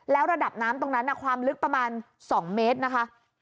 แล้วระดับน้ำตรงนั้นความลึกประมาณ๒เมตรนะคะ